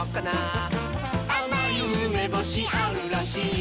「あまいうめぼしあるらしい」